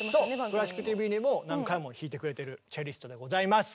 「クラシックＴＶ」にも何回も弾いてくれてるチェリストでございます！